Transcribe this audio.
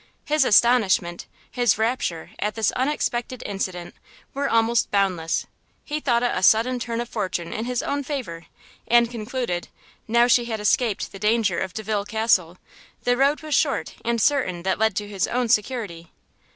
His astonishment, his rapture at this unexpected incident were almost boundless; he thought it a sudden turn of fortune in his own favour, and concluded, now she had escaped the danger of Delvile Castle, the road was short and certain that led to his own security.